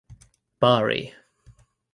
Bari.